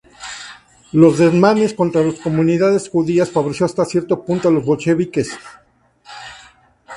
Los desmanes contra las comunidades judías favoreció hasta cierto punto a los bolcheviques.